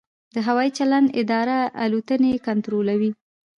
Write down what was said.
د هوايي چلند اداره الوتنې کنټرولوي